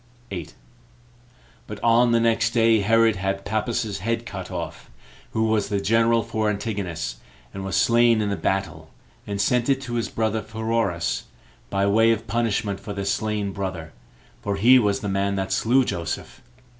8. But on the next day Herod had Pappus's head cut off, who was the general for Antigonus, and was slain in the battle, and sent it to his brother Pheroras, by way of punishment for their slain brother; for he was the man that slew Joseph.